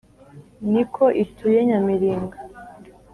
ni ko ituye nyamiringa.